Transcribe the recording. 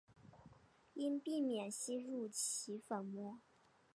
应避免吸入其粉末。